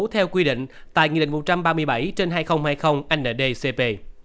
theo quy định tại nghị định một trăm ba mươi bảy trên hai nghìn hai mươi ndcp